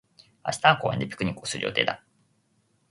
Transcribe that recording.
明日は公園でピクニックをする予定だ。